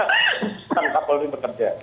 kak polri bekerja